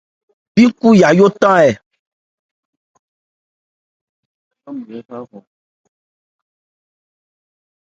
Bí nkhú Yayó than ɛ ?